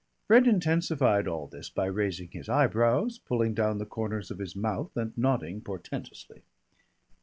Fred intensified all this by raising his eyebrows, pulling down the corners of his mouth and nodding portentously.